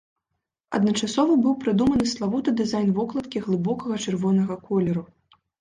Адначасова быў прыдуманы славуты дызайн вокладкі глыбокага чырвонага колеру.